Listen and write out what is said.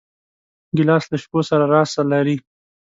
ګیلاس له شپو سره راز لري.